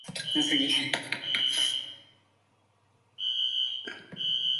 Devil's Den is a small cave east of Massabesic Lake.